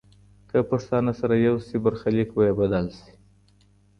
که پښتانه سره یو شي، برخلیک به یې بدل شي.